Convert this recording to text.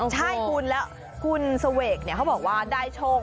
ใช่คุณแล้วคุณเสวกเขาบอกว่าได้โชค